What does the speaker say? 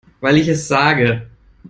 Weil ich es sage.